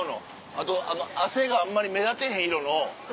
あと汗があんまり目立てへん色の。